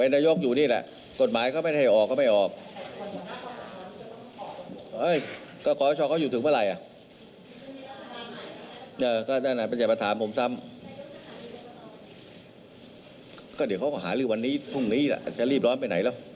นะครับคุณภูมิ